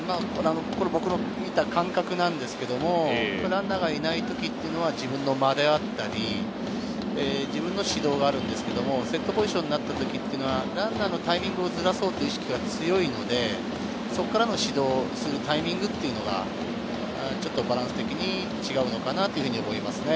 僕の見た感覚なんですけれど、ランナーがいない時ってのは自分の間であったり、自分の始動があるんですけれど、セットポジションになった時ってのはランナーのタイミングをズラそうという意識が強いので、そこからの始動するタイミングっていうのが、ちょっとバランス的に違うのかなっていうふうに思いますね。